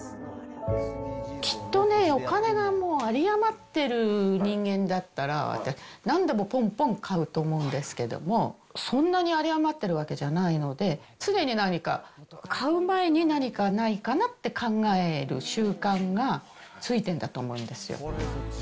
きっとね、お金がもう、あり余ってる人間だったら、なんでもぽんぽん買うと思うんですけども、そんなにあり余ってるわけじゃないので、常に何か、買う前に何かないかなって考える習慣がついてんだと思いますよ。